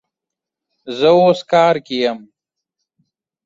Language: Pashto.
زه اوس کار کی یم